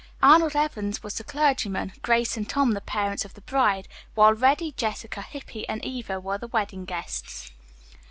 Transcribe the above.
Arnold Evans was the clergyman, Grace and Tom the parents of the bride, while Reddy, Jessica, Hippy and Eva were the wedding guests.